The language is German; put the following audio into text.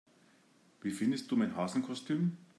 Wie findest du mein Hasenkostüm?